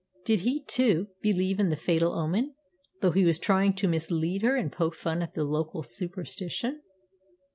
Did he, too, believe in the fatal omen, though he was trying to mislead her and poke fun at the local superstition?